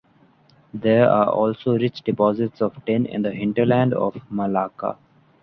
There are also rich deposits of tin in the hinterland of Malacca.